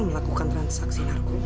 melakukan transaksi narkoba